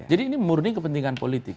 jadi ini memurni kepentingan politik